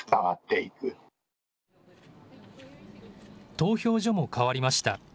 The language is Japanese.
投票所も変わりました。